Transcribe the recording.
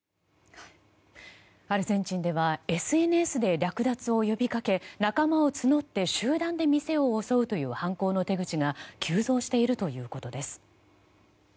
アルゼンチンではＳＮＳで略奪を呼びかけ仲間を募って、集団で店を襲うという犯行の手口が急増しているということです。